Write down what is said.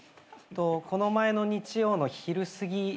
この前の日曜の昼すぎ。